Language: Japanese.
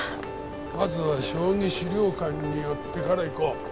まずは将棋資料館に寄ってから行こう。